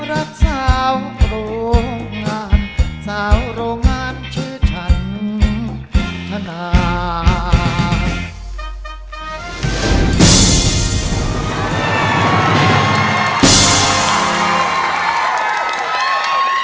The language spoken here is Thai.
รักชาวโรงงานสาวโรงงานชื่อฉันธนาย